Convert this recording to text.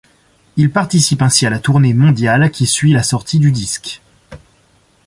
Il participe ainsi à la tournée mondiale qui suit la sortie du disque.